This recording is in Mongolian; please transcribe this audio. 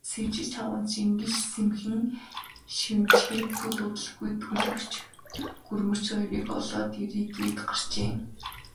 Сэвжид чавганц ингэж сэмхэн шивнэчхээд, төд удалгүй төлгөч гүрэмч хоёрыг олоод ирье гээд гарчээ.